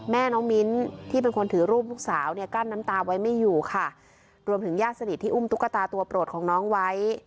แม่น้องมิ้นที่เป็นคนถือรูปลูกสาวเนี่ยกั้นน้ำตาไว้ไม่อยู่ค่ะรวมถึงญาติสนิทที่อุ้มตุ๊กตาตัวโปรดของน้องไว้